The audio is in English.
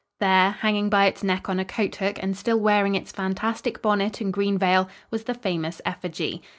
"] There, hanging by its neck on a coat hook and still wearing its fantastic bonnet and green veil, was the famous effigy.